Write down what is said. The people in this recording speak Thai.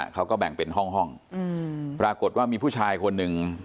เขาก็แบ่งเป็นห้องปรากฏว่ามีผู้ชายคนหนึ่ง